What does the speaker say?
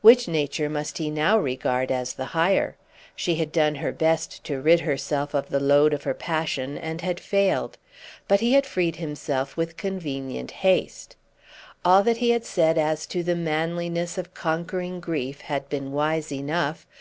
Which nature must he now regard as the higher? She had done her best to rid herself of the load of her passion and had failed. But he had freed himself with convenient haste. All that he had said as to the manliness of conquering grief had been wise enough.